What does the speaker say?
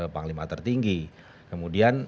panglima tertinggi kemudian